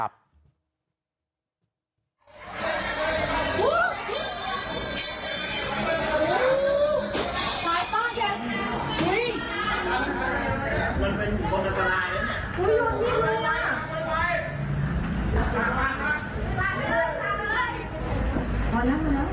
โปรดติดตามตอนต่อไป